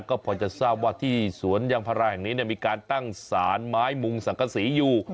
ก็พอจะทราบว่าที่สวนยางพาราแห่งนี้มีการตั้งสารไม้มุงสังกษีอยู่